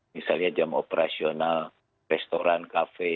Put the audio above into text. misalnya jam operasional restoran kafe